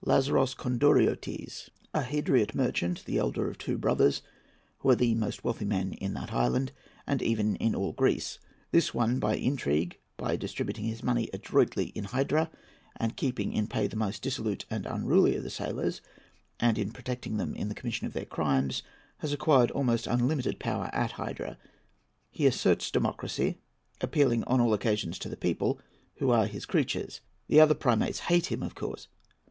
Lazaros Konduriottes.—A Hydriot merchant, the elder of the two brothers, who are the most wealthy men in that island, and even in all Greece. This one, by intrigue, by distributing his money adroitly in Hydra, and keeping in pay the most dissolute and unruly of the sailors, and protecting them in the commission of their crimes, has acquired almost unlimited power at Hydra. He asserts democracy, appealing on all occasions to the people, who are his creatures. The other primates hate him, of course.